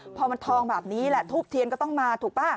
พอมันทองแบบนี้แหละทูบเทียนก็ต้องมาถูกป่ะ